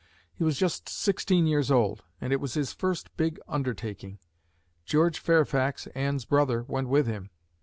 He was just sixteen years old, and it was his first big undertaking. George Fairfax, Anne's brother, went with him.